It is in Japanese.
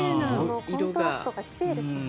コントラストが奇麗ですよね。